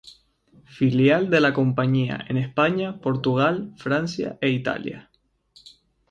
Filial de la compañía en España, Portugal, Francia e Italia.